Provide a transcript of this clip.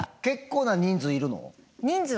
結構な人数いるの？